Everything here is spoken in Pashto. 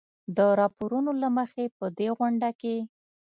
د راپورونو له مخې په دې غونډه کې